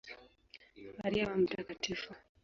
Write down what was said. Maria wa Mt.